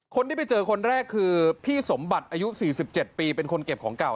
คนที่ไปเจอคนแรกคือพี่สมบัติอายุ๔๗ปีเป็นคนเก็บของเก่า